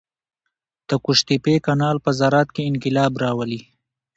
د قوشتېپې کانال په زراعت کې انقلاب راولي.